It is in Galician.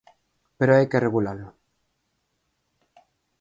Pero hai que regulalo.